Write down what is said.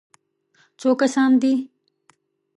_څو کسان دي؟